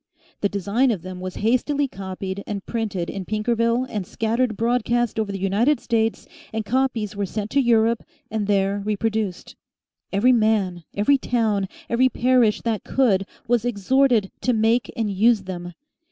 The design of them was hastily copied and printed in Pinkerville and scattered broadcast over the United States and copies were sent to Europe, and there reproduced. Every man, every town, every parish that could, was exhorted to make and use them.